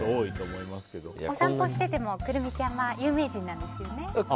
お散歩をしていてもクルミちゃんは有名なんですよね。